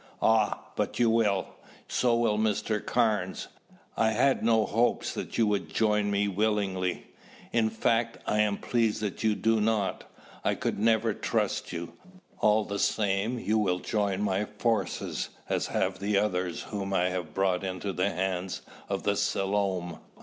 "Ah, but you will. So will Mr. Carnes. I had no hopes that you would join me willingly. In fact, I am pleased that you do not. I could never trust you. All the same, you will join my forces as have the others whom I have brought into the hands of the Selom.